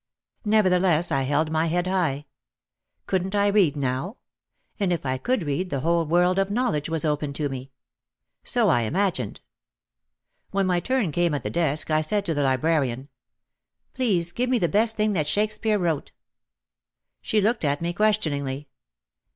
Nevertheless I held my head high. Couldn't I read now? And if I could read the whole world of knowledge was open to me. So I imagined. When my turn came at the desk I said to the librarian, "Please give me the best thing that Shakespeare wrote." She looked at me questioningly.